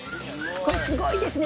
これすごいですね。